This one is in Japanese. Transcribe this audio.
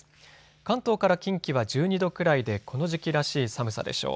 関東から近畿は１２度くらいでこの時期らしい寒さでしょう。